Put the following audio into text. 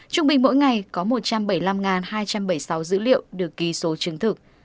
trung bình mỗi ngày có một trăm bảy mươi năm hai trăm bảy mươi sáu dữ liệu được ký số chứng thực